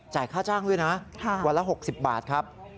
ค่าจ้างด้วยนะวันละ๖๐บาทครับ